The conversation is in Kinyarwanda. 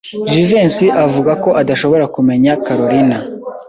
Jivency avuga ko adashobora kumenya Kalorina.